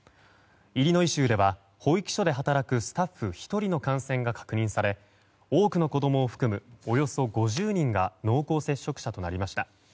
イリノイ州では保育所で働くスタッフ１人の感染が確認され多くの子供を含むおよそ５０人が濃厚接触者となりました。